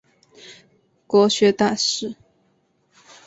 国学大师。